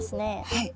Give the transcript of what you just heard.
はい。